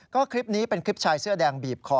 ก็คลิปนี้เป็นคลิปชายเสื้อแดงบีบคอ